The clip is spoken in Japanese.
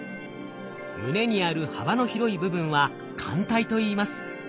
胸にある幅の広い部分は環帯といいます。